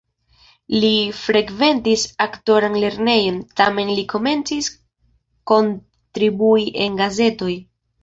Li frekventis aktoran lernejon, tamen li komencis kontribui en gazetoj.